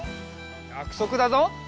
やくそくだぞ！